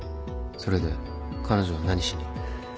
それで彼女は何しに？